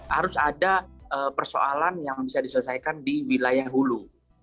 harus ada persoalan yang bisa diselesaikan di wilayah hulu